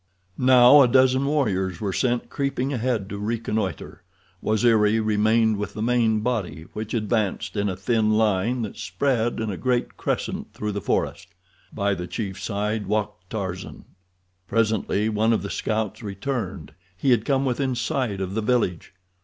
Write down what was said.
Now a dozen warriors were sent creeping ahead to reconnoiter. Waziri remained with the main body, which advanced in a thin line that spread in a great crescent through the forest. By the chief's side walked Tarzan. Presently one of the scouts returned. He had come within sight of the village.